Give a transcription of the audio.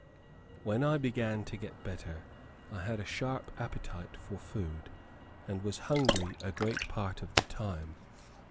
When I began to get better, I had a sharp appetite for food, and was hungry a great part of the time.